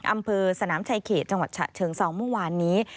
อำเภอสนามชายเขตจังหวัดฉะเชิงเซาเมื่อวานนี้